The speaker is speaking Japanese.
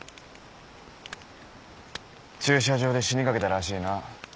駐車場で死にかけたらしいな。